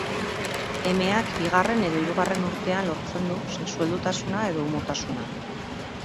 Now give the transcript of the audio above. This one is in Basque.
Emeak bigarren edo hirugarren urtean lortzen du sexu-heldutasuna edo umotasuna.